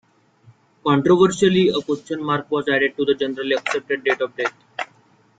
Controversially, a question mark was added to the generally accepted date of death.